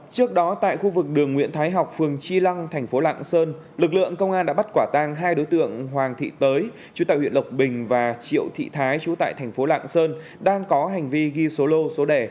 trước đó tại khu vực đường nguyễn thái học phường chi lăng thành phố lạng sơn lực lượng công an đã bắt quả tang hai đối tượng hoàng thị tới chú tại huyện lộc bình và triệu thị thái trú tại thành phố lạng sơn đang có hành vi ghi số lô số đẻ